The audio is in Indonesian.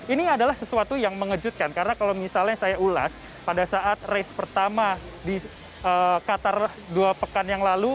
ini adalah sesuatu yang mengejutkan karena kalau misalnya saya ulas pada saat race pertama di qatar dua pekan yang lalu